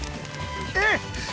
え